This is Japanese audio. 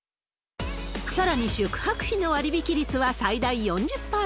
さらに宿泊費の割引率は最大４０％。